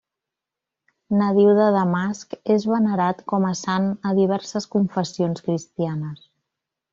Nadiu de Damasc és venerat com a sant a diverses confessions cristianes.